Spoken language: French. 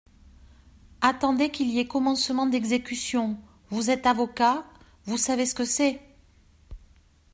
Attendez qu'il y ait commencement d'exécution, vous êtes avocat, vous savez ce que c'est.